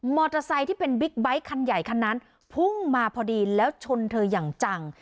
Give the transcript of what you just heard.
ไซค์ที่เป็นบิ๊กไบท์คันใหญ่คันนั้นพุ่งมาพอดีแล้วชนเธออย่างจัง